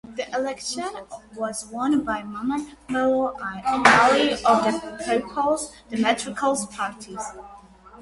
The election was won by Mamman Bello Ali of the Peoples Democratic Party.